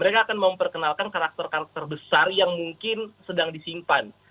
mereka akan memperkenalkan karakter karakter besar yang mungkin sedang disimpan